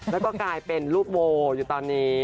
แล้วก็กลายเป็นรูปโวอยู่ตอนนี้